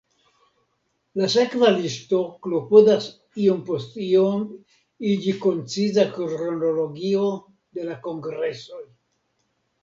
La sekva listo klopodas iom post iom iĝi konciza kronologio de la kongresoj.